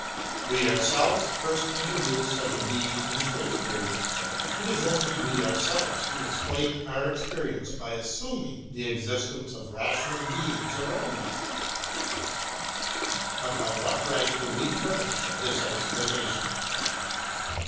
We ourselves first introduce such a being into experi ence ;— it is only we ourselves who explain our experience by assuming the existence of rational beings around us. But by what right do we furnish this explanation?